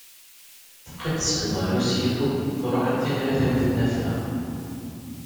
Teqqim tsenned ɣer useklu truḥ am tin ara tawi tnafa.